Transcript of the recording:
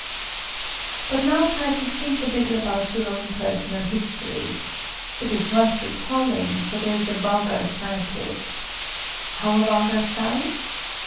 "But now try to think a little about your own personal history. It is worth recalling; for there is a vulgar side to it. How a vulgar side?